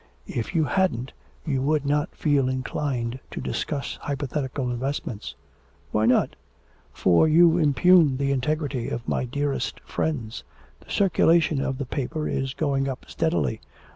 If you hadn't, you would not feel inclined to discuss hypothetical investments.' 'Why not? For you impugn the integrity of my dearest friends. The circulation of the paper is going up steadily.